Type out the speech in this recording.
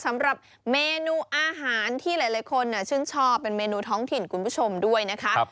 สำหรับเมนูอาหารที่หลายคนชื่นชอบเป็นเมนูท้องถิ่นคุณผู้ชมด้วยนะคะ